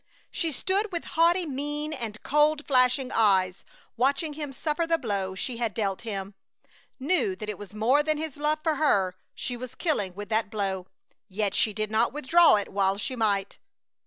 She stood with haughty mien and cold, flashing eyes, watching him suffer the blow she had dealt him; knew that it was more than his love for her she was killing with that blow, yet did not withdraw it while she might.